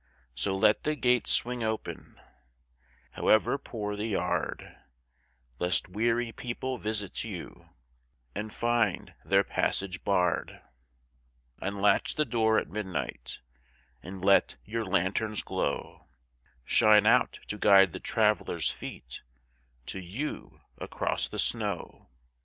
So let the gate swing open However poor the yard, Lest weary people visit you And find their passage barred; Unlatch the door at midnight And let your lantern's glow Shine out to guide the traveler's feet To you across the snow.